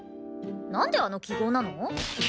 なんであの記号なの？